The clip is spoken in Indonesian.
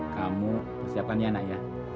kamu persiapkan yana ya